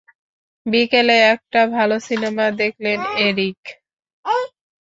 বিকেলে একটা ভালো সিনেমা দেখলেন, এরিক?